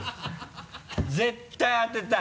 絶対当てたい。